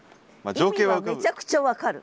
意味はめちゃくちゃ分かる。